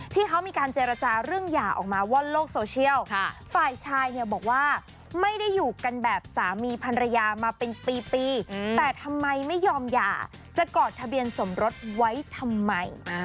ที่เขามีการเจรจาเรื่องหย่าออกมาว่อนโลกโซเชียลฝ่ายชายเนี่ยบอกว่าไม่ได้อยู่กันแบบสามีพันรยามาเป็นปีแต่ทำไมไม่ยอมหย่าจะกอดทะเบียนสมรสไว้ทำไม